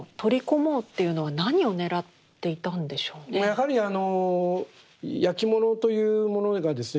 やはりあのやきものというものがですね